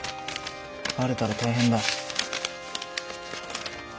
バレたら大変だ。